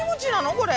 これ。